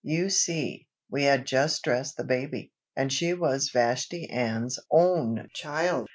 You see, we had just dressed the baby" "and she was Vashti Ann's own child!"